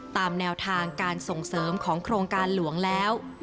ตามแนวทางการส่งเสริมของโครงการหลวงแล้ว